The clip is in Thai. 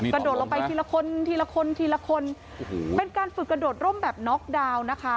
กระโดดลงไปทีละคนทีละคนทีละคนเป็นการฝึกกระโดดร่มแบบน็อกดาวน์นะคะ